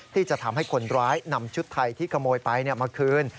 ที่จะทำให้คนร้ายนำชุดไทยที่ขโมยไปมาคืน